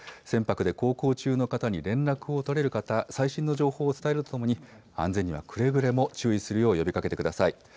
船舶で航行中の方に連絡を取れる方、最新の情報を伝えるとともに安全にはくれぐれも注意するよう呼びかけてください。